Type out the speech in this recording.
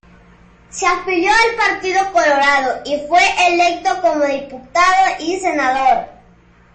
Se afilió al Partido Colorado y fue electo como diputado y senador.